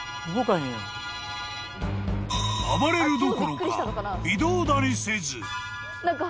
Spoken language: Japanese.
［暴れるどころか微動だにせず］